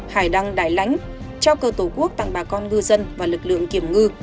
hải đăng đài lánh trao cờ tổ quốc tặng bà con ngư dân và lực lượng kiểm ngư